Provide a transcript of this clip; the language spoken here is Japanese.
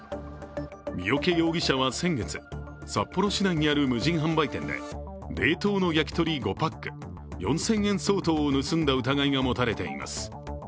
明景容疑者は先月、札幌市内にある無人販売店で冷凍の焼き鳥５パック、４０００円相当を盗んだ疑いが持たれています。